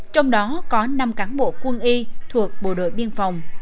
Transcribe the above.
trong đó có năm cán bộ quân y thuộc bộ đội biên phòng